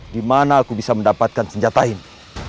dimana aku bisa mendapatkan senjata ini